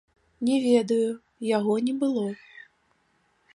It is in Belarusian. Не ведаю, яго не было.